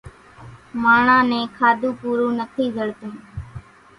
ماڻۿان نين کاڌون پورون نٿِي زڙتون۔